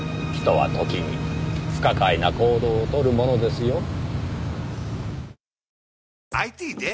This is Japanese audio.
人は時に不可解な行動を取るものですよ。